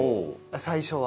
最初は？